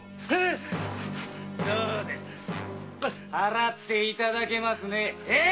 どうです払っていただけますね？